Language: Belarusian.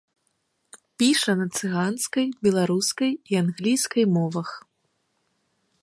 Піша на цыганскай, беларускай і англійскай мовах.